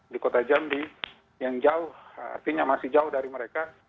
di kota jambi yang jauh artinya masih jauh dari mereka